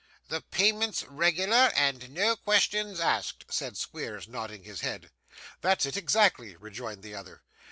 'The payments regular, and no questions asked,' said Squeers, nodding his head. 'That's it, exactly,' rejoined the other.